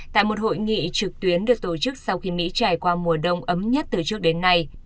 tại một hội nghị trực tuyến được tổ chức sau khi mỹ trải qua mùa đông ấm nhất từ trước đến nay